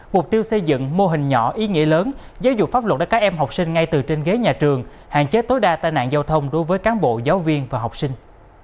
mục tiêu xây dựng mô hình nhỏ ý nghĩa lớn giáo dục pháp luật đến các em học sinh ngay từ trên ghế nhà trường hạn chế tối đa tai nạn giao thông đối với cán bộ giáo viên và học sinh